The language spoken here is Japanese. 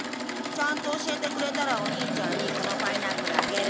ちゃんと教えてくれたらおにいちゃんにこのパイナップルあげる。